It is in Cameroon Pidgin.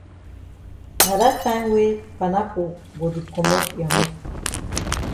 Na dat time wey panapo go di komot ya mop.